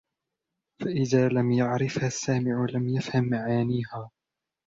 فَإِذَا لَمْ يَعْرِفْهَا السَّامِعُ لَمْ يَفْهَمْ مَعَانِيَهَا